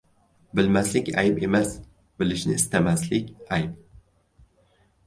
• Bilmaslik ayb emas, bilishni istamaslik ― ayb.